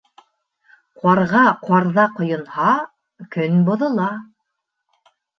Ҡарға ҡарҙа ҡойонһа, көн боҙола.